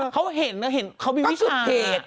เขาเห็นนะเขามีวิธีศาสตร์